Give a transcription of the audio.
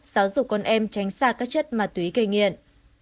giáo dục con em tránh xa các chất ma túy gây nghiện